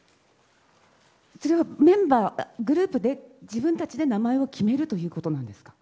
それはグループで、自分たちで名前を決めるということなんですか。